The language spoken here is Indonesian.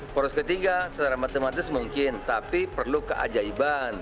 poros ketiga secara matematis mungkin tapi perlu keajaiban